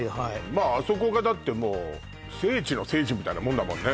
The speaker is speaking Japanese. まああそこがだってもう聖地の聖地みたいなもんだもんね